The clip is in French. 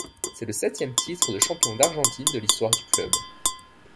C'est le septième titre de champion d'Argentine de l'histoire du club.